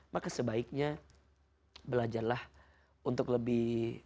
maka sebaiknya belajarlah untuk lebih